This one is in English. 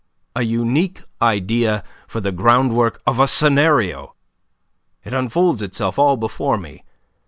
"A unique idea for the groundwork of a scenario. It unfolds itself all before me.